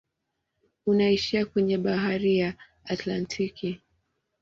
Unaishia kwenye bahari ya Atlantiki.